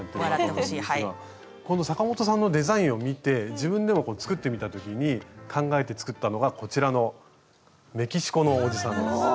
この阪本さんのデザインを見て自分でもこう作ってみた時に考えて作ったのがこちらのメキシコのおじさんです。